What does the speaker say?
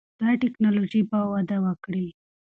دا ټکنالوژي به وده وکړي.